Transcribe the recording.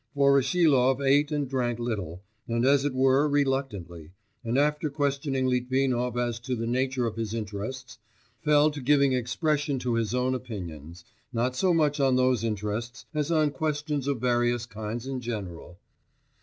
Voroshilov ate and drank little, and as it were reluctantly, and after questioning Litvinov as to the nature of his interests, fell to giving expression to his own opinions not so much on those interests, as on questions of various kinds in general....